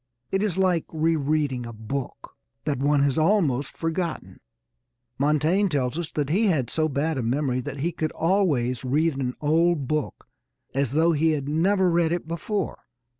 It is like re reading a book that one has almost forgotten. Montaigne tells us that he had so bad a memory that he could always read an old book as though he had never read it before.